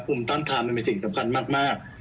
ต้านทานมันเป็นสิ่งสำคัญมาก